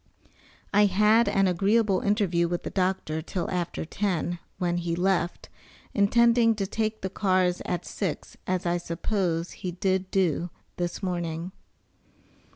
I had an agreeable interview with the doctor till after ten, when he left, intending to take the cars at six, as I suppose he did do, this morning.